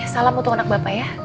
salam untuk anak bapak ya